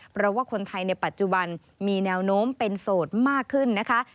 เพราะว่าคนไทยในปัจจุบันมีแนวโน้มเป็นโสดมากขึ้นนะคะ